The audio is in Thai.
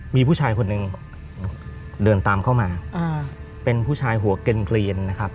มีผู้ชายคนหนึ่งเดินตามเข้ามาเป็นผู้ชายหัวเกร็นนะครับ